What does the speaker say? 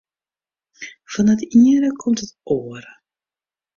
Fan it iene komt it oare.